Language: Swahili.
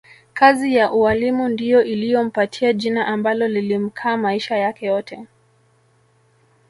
Kazi ya ualimu ndiyo iliyompatia jina ambalo lilimkaa maisha yake yote